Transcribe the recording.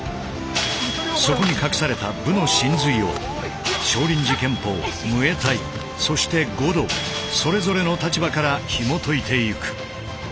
そこに隠された武の神髄を少林寺拳法ムエタイそして護道それぞれの立場からひもといていく。